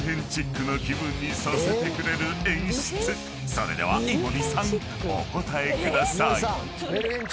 ［それでは井森さんお答えください］